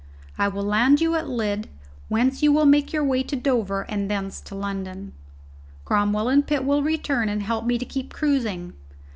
I will land you at Lydd, whence you will make your way to Dover and thence to London. Cromwell and Pitt will return and help me to keep cruising.